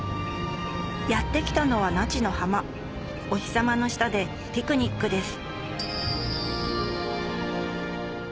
やって来たのは那智の浜お日様の下でピクニックです